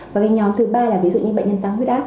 và cái nhóm thứ ba là ví dụ những bệnh nhân tăng huyết ác